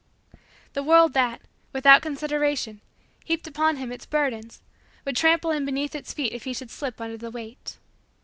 The world, that, without consideration, heaped upon him its burdens, would trample him beneath its feet if he should slip under the weight.